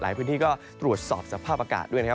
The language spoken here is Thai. พื้นที่ก็ตรวจสอบสภาพอากาศด้วยนะครับ